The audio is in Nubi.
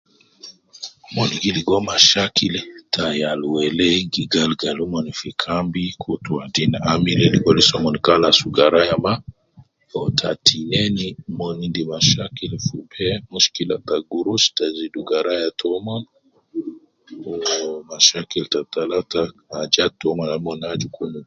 Mon gi ligo mashakila ta yal wele gi gal gal omon fi kambi kutu wadin amili logo lisa mon kalas garaya ma wu ta tineni mon endi mashakil ta mushkila ta gurus ta zidu garaya tomon, wu mashakil ta talata ajat tomon al omon aju kun.